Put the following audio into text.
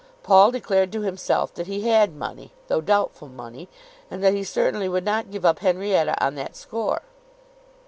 Paul declared to himself that he had money, though doubtful money, and that he certainly would not give up Henrietta on that score.